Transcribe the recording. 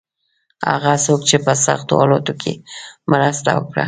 هغه څوک چې په سختو حالاتو کې مرسته وکړه.